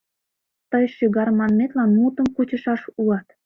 Тый шӱгар манметлан мутым кучышаш улат!